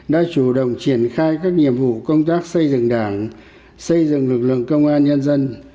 đã chủ động triển khai các nhiệm vụ công tác xây dựng đảng xây dựng lực lượng công an nhân dân